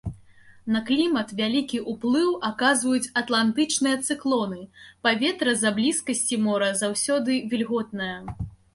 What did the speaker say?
На клімат вялікі ўплыў аказваюць атлантычныя цыклоны, паветра з-за блізкасці мора заўсёды вільготнае.